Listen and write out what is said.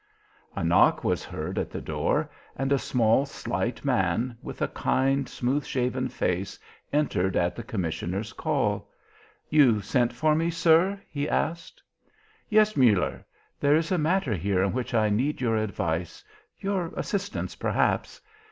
A knock was heard at the door, and a small, slight man, with a kind, smooth shaven face, entered at the commissioner's call. "You sent for me, sir?" he asked. "Yes, Muller, there is a matter here in which I need your advice, your assistance, perhaps.